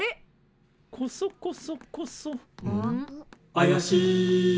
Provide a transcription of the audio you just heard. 「あやしい」